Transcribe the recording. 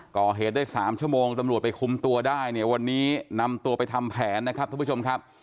ก่อเหตุได้๓ชั่วโมงตำรวจไปคุมตัวได้เนี่ยวันนี้นำตัวไปทำแผนนะครับทุกผู้ชมครับ